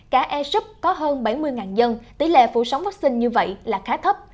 cả esup có hơn bảy mươi dân tỷ lệ phủ sống vaccine như vậy là khá thấp